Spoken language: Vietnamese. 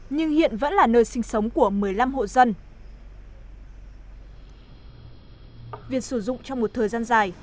nhưng hiện vẫn là nơi sinh sống của một mươi năm hộ dân việc sử dụng trong một thời gian dài